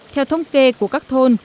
theo thông kê của các thôn